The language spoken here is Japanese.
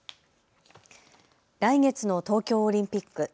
来月の東京オリンピック。